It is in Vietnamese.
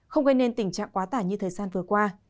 không gây nên tình trạng quá tải như thời gian vừa qua